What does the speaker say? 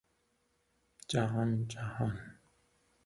جهان جهان